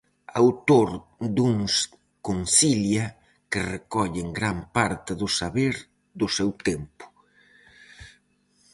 Autor duns "Consilia" que recollen gran parte do saber do seu tempo.